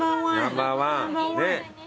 ナンバーワン。